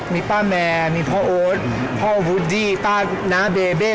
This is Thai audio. มีป้าแมมีพ่อโอ๊ตพ่อวูดดี้ป้านาแบบั๊ค